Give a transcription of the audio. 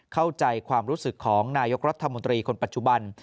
เข้าใจความรู้สึกของนายกรัฐมนตรีคนปัจจุบัน